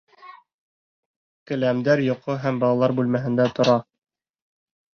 Келәмдәр йоҡо һәм балалар бүлмәһендә тора